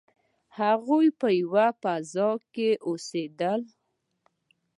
هغوی په یوه فضا کې اوسیدل.